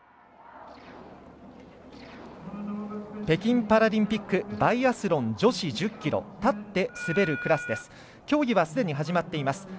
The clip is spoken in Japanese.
北京パラリンピックバイアスロン女子 １０ｋｍ 立って滑るクラスです。